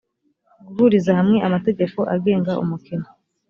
guhuriza hamwe amategeko agenga umukino